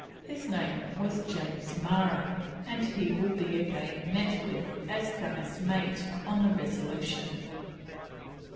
His name was James Marra, and he will be again met with as gunner's mate on the Resolution.